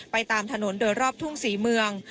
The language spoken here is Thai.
ตามถนนโดยรอบทุ่งศรีเมือง